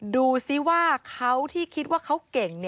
ดูซิว่าเขาที่คิดว่าเขาเก่ง